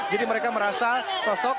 jadi mereka merasa sosok